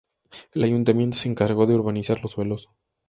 El Ayuntamiento se encargó de urbanizar los suelos.